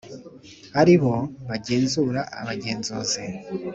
ari bo bagenzura abagenzuzi